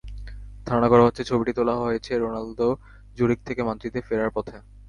ধারণা করা হচ্ছে, ছবিটি তোলা হয়েছে রোনালদো জুরিখ থেকে মাদ্রিদে ফেরার পথে।